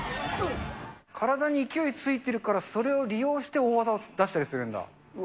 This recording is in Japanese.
体に勢いついてるからそれを利用して大技を出したりするんだ。